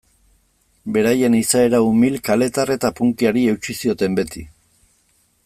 Beraien izaera umil, kaletar eta punkyari eutsi zioten beti.